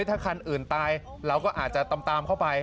ถ้าคันอื่นตายเราก็อาจจะตามเข้าไป